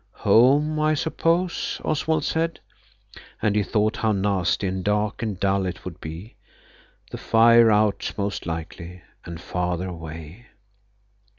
"Home, I suppose," Oswald said. And he thought how nasty and dark and dull it would be. The fire out most likely and Father away.